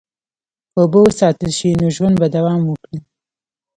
که اوبه وساتل شي، نو ژوند به دوام وکړي.